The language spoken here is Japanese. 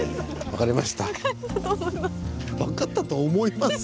「分かったと思います」？